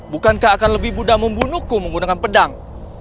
bukankah akan lebih mudah membunuhku menggunakan pedang